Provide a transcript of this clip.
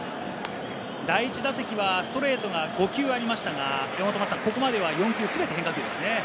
第１打席はストレートが５球ありましたが、ここまでは４球すべて変化球ですね。